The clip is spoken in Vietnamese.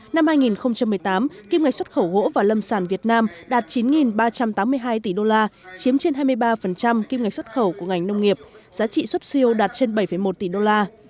năm hai nghìn một mươi tám kim ngạch xuất khẩu gỗ và lâm sản việt nam đạt chín ba trăm tám mươi hai tỷ đô la chiếm trên hai mươi ba kim ngạch xuất khẩu của ngành nông nghiệp giá trị xuất siêu đạt trên bảy một tỷ đô la